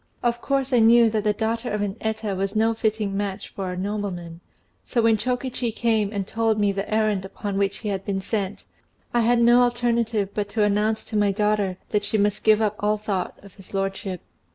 Of course I knew that the daughter of an Eta was no fitting match for a nobleman; so when Chokichi came and told me the errand upon which he had been sent, I had no alternative but to announce to my daughter that she must give up all thought of his lordship.